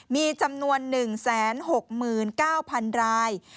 มีจำนวน๑๖๙๐๐ราย